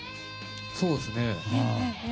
そうです。